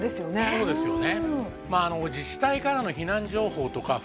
そうですよね。